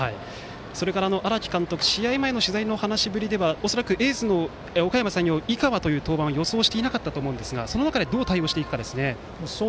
それから荒木監督は試合前の取材の話しぶりでは恐らく、エースのおかやま山陽井川という登板は予想していなかったと思いますがその中で、どう対応するかですね。